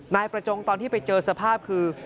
นายประจงตอนที่ไปเจอสภาพคือ